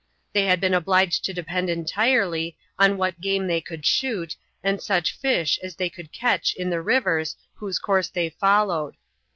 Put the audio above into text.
They had been obliged to depend entirely on what game they could shoot and such fish as they could catch in the rivers whose course they followed.